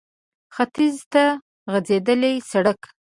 ختيځ ته غځېدلی سړک